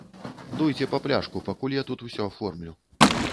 Дуйце па пляшку, пакуль я тут усё аформлю.